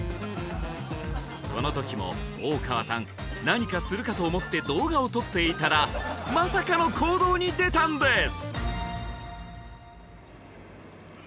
この時も大川さん何かするかと思って動画を撮っていたらまさかの行動に出たんです！